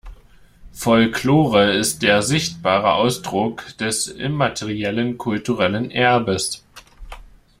Folklore ist der sichtbare Ausdruck des immateriellen kulturellen Erbes.